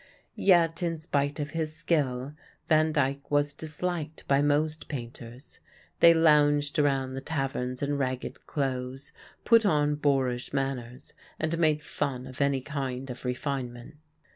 Yet in spite of his skill Van Dyck was disliked by most painters. They lounged around the taverns in ragged clothes, put on boorish manners, and made fun of any kind of refinement.